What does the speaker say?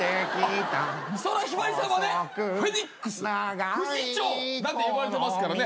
美空ひばりさんはね「フェニックス」「不死鳥」なんて呼ばれてますからね。